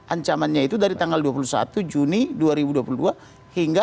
ancamannya itu dari tanggal dua puluh satu juni dua ribu dua puluh dua hingga